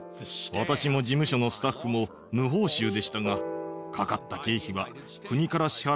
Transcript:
私も事務所のスタッフも無報酬でしたがかかった経費は。